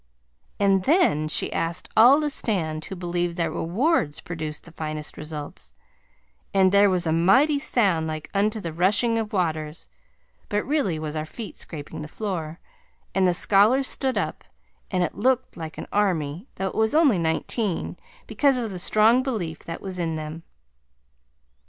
And then she asked all to stand who believed that rewards produced the finest results, and there was a mighty sound like unto the rushing of waters, but really was our feet scraping the floor, and the scholars stood up, and it looked like an army, though it was only nineteen, because of the strong belief that was in them.